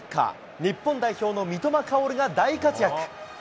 日本代表の三笘薫が大活躍。